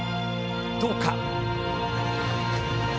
どうか。